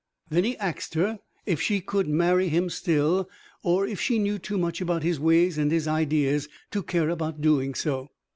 Then he axed her if she could marry him still, or if she knew too much about his ways and his ideas to care about doing so.